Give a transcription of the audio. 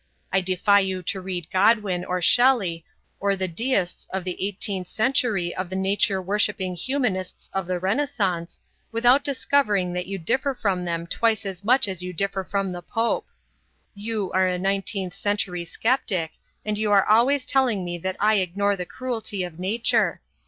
I defy you to read Godwin or Shelley or the deists of the eighteenth century of the nature worshipping humanists of the Renaissance, without discovering that you differ from them twice as much as you differ from the Pope. You are a nineteenth century sceptic, and you are always telling me that I ignore the cruelty of nature.